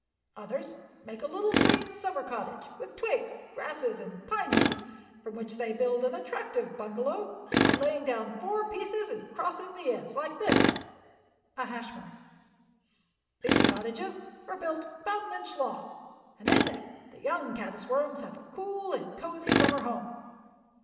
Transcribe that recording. Others make a little green summer cottage with twigs, grasses, and pine needles, from which they build an attractive bungalow by laying down four pieces and crossing the ends like this: # These cottages are built about an inch long, and in them the young caddis worms have a cool and cosey summer home.